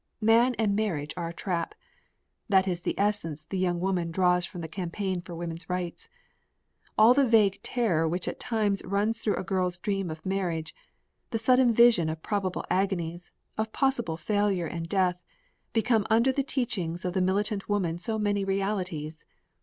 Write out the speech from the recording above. Man and marriage are a trap that is the essence the young woman draws from the campaign for woman's rights. All the vague terror which at times runs through a girl's dream of marriage, the sudden vision of probable agonies, of possible failure and death, become under the teachings of the militant woman so many realities.